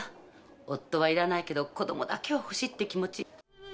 夫はいらないけど、子どもだけは欲しいって気持ち。